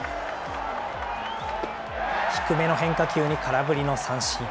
低めの変化球に空振りの三振。